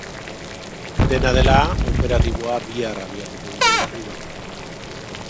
Dena dela, operatiboa bihar abiatuko dute berriro.